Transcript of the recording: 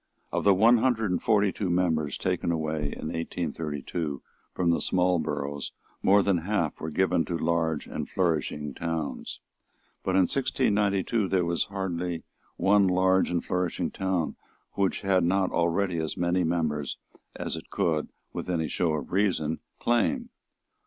Of the one hundred and forty two members taken away in 1832 from small boroughs more than half were given to large and flourishing towns. But in 1692 there was hardly one large and flourishing town which had not already as many members as it could, with any show of reason, claim.